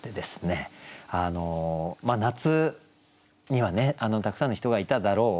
夏にはねたくさんの人がいただろう